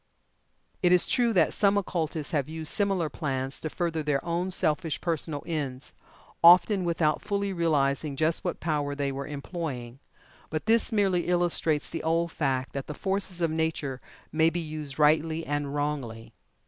It is true that some occultists have used similar plans to further their own selfish personal ends often without fully realizing just what power they were employing but this merely illustrates the old fact that the forces of Nature may be used rightly and wrongly.